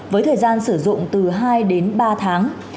với thời gian sử dụng từ hai đến ba tháng